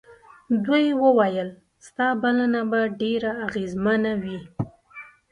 دوی وویل ستا بلنه به ډېره اغېزمنه وي.